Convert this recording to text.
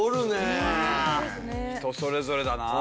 人それぞれだなあ。